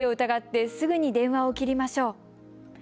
詐欺を疑ってすぐに電話を切りましょう。